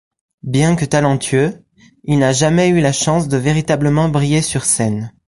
Bien que talentueux, il n'a jamais eu la chance de véritablement briller sur scène.